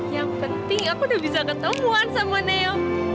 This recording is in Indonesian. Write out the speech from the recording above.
yang penting aku udah bisa ketemuan sama neo